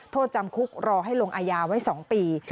โทษจำคุกรอให้ลงอายาไว้๒ปี